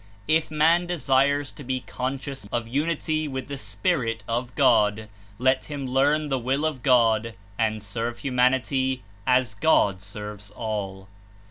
If man desires to be conscious of unity with the Spirit of CJod, let him learn the Will of God and serve humanity as God serves all.